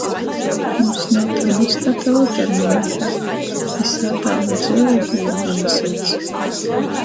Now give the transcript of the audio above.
Mums nav termostata voi termometra, i sātā voi dzeivūklī ir gona sylts.